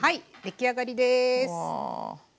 出来上がりです。